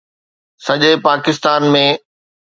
سڄي پاڪستان ۾